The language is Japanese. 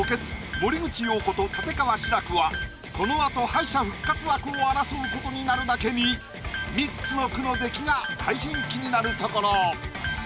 森口瑤子と立川志らくはこの後敗者復活枠を争うことになるだけにミッツの句の出来が大変気になるところ。